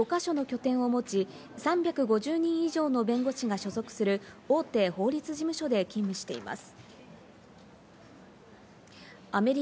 現在、小室さんは全米に５か所の拠点を持ち、３５０人以上の弁護士が所属する大手法律事務所で勤務しています。